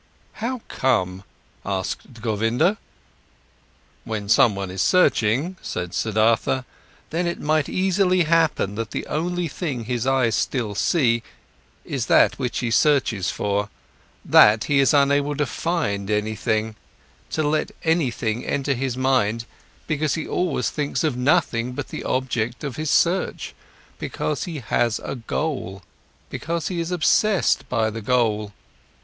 "How come?" asked Govinda. "When someone is searching," said Siddhartha, "then it might easily happen that the only thing his eyes still see is that what he searches for, that he is unable to find anything, to let anything enter his mind, because he always thinks of nothing but the object of his search, because he has a goal, because he is obsessed by the goal.